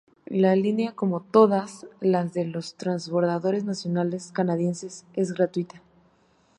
La línea, como todas las de los transbordadores nacionales canadienses, es gratuita.